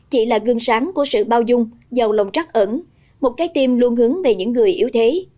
chị là gương sáng của sự bao dung giàu lòng trắc ẩn một trái tim luôn hướng về những người yếu thế